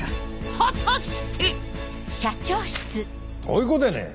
果たして⁉どういうことやねん！